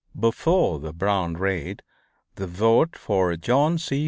Before the Brown raid the vote for John C.